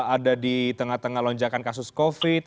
ada di tengah tengah lonjakan kasus covid